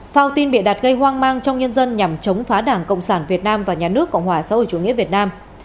phao tin bịa đặt gây hoang mang trong nhân dân nhằm chống phá đảng cộng sản việt nam và nhà nước cộng hòa xã hội chủ nghĩa việt nam